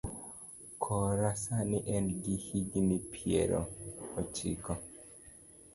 Kora sani en gi higni piero ochiko.